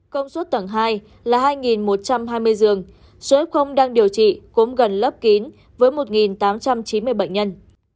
công suất tầng hai là hai một trăm hai mươi giường số f đang điều trị cũng gần lớp kín với một tám trăm chín mươi bệnh nhân